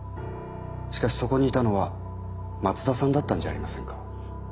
しかしそこにいたのは松田さんだったんじゃありませんか？